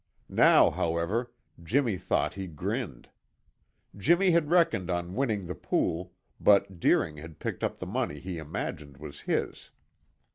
Now, however, Jimmy thought he grinned. Jimmy had reckoned on winning the pool, but Deering had picked up the money he imagined was his.